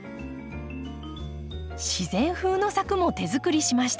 自然風の柵も手作りしました。